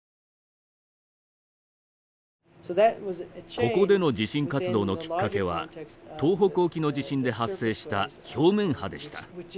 ここでの地震活動のきっかけは東北沖の地震で発生した表面波でした。